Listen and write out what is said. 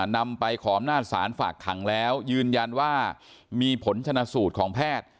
นำไปขออำนาจศาลฝากขังแล้วยืนยันว่ามีผลชนะสูตรของแพทย์